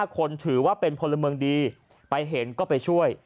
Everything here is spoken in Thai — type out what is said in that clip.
คนถือว่าเป็นพลเมืองดีไปเห็นก็ไปช่วย